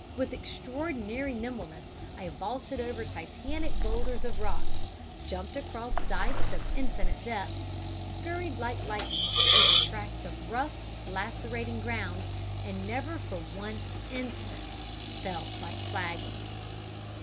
With extraordinary nimbleness I vaulted over titanic boulders of rocks; jumped across dykes of infinite depth, scurried like lightning over tracts of rough, lacerating ground, and never for one instant felt like flagging.